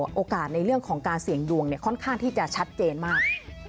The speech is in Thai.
โอกาสในเรื่องของการเสี่ยงดวงค่อนข้างที่จะชัดเจนมาก